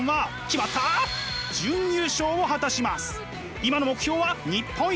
今の目標は日本一。